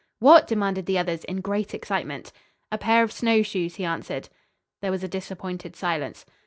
"What?" demanded the others in great excitement. "A pair of snowshoes," he answered. There was a disappointed silence.